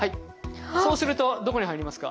そうするとどこに入りますか？